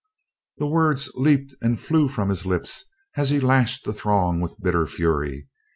The words leaped and flew from his lips as he lashed the throng with bitter fury.